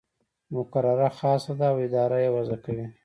مقرره خاصه ده او اداره یې وضع کوي.